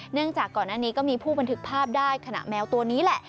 จากก่อนหน้านี้ก็มีผู้บันทึกภาพได้ขณะแมวตัวนี้แหละ